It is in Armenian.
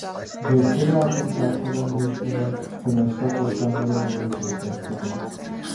Վերքերը ակնթարթորեն բուժվում են, վնասված օրգանները նորից են ստեղծվում։